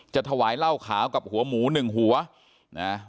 ถวายเหล้าขาวกับหัวหมูหนึ่งหัวนะ